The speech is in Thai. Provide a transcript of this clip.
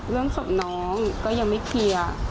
เรื่องศพน้องก็ยังไม่เคลียร์